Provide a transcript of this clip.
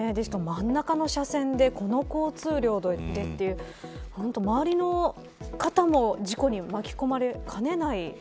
真ん中の車線で、この交通量で周りの方も事故に巻き込まれかねない。